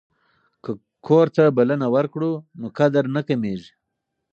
که کور ته بلنه ورکړو نو قدر نه کمیږي.